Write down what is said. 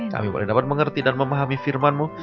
kami boleh dapat mengerti dan memahami firman mu